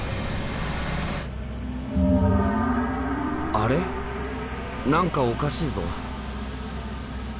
あれ何かおかしいぞ。